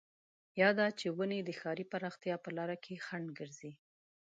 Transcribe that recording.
يا دا چې ونې د ښاري پراختيا په لاره کې خنډ ګرځي.